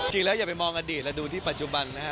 จริงแล้วอย่าไปมองอดีตแล้วดูที่ปัจจุบันนะฮะ